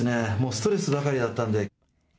ストレスばかりだったので。